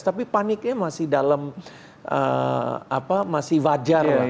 tapi paniknya masih dalam masih wajar lah